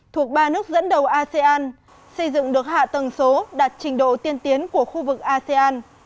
thuộc ba nước dẫn đầu asean xây dựng được hạ tầng số đạt trình độ tiên tiến của khu vực asean